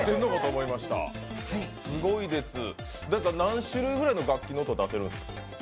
Ｄａｉｃｈｉさん、何種類ぐらいの楽器の音、出せるんですか？